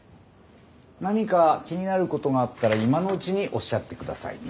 何か気になることがあったら今のうちにおっしゃって下さいね。